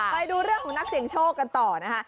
ไปดูเรื่องของนักเสี่ยงโชคกันต่อนะคะ